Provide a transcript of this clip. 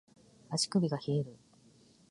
足首が冷える